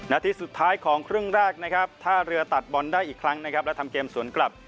ที่สุดท้ายของครึ่งแรกนะครับท่าเรือตัดบอลได้อีกครั้งนะครับแล้วทำเกมสวนกลับ